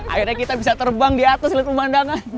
akhirnya kita bisa terbang di atas lihat pemandangan